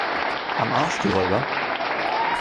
Am Arsch die Räuber!